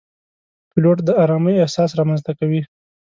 پیلوټ د آرامۍ احساس رامنځته کوي.